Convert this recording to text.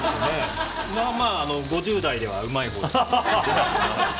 まあまあ、５０代ではうまいほうだと。